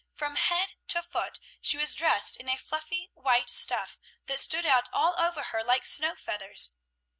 From head to foot she was dressed in a fluffy white stuff, that stood out all over her like snow feathers.